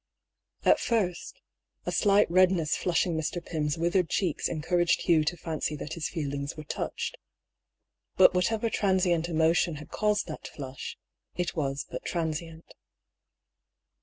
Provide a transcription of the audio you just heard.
" At first, a slight redness flushing Mr. Pym's with ered cheeks encouraged Hugh to fancy that his feel ings were touched. But whatever transient emotion had caused that flush, it was but transient.